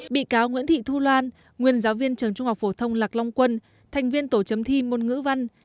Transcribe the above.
bị cáo nguyễn thị thu loan nguyên giáo viên trường trung học phổ thông lạc long quân thành viên tổ chấm thi môn ngữ văn